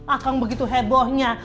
akang begitu hebohnya